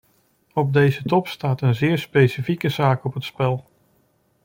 Op deze top staat een zeer specifieke zaak op het spel.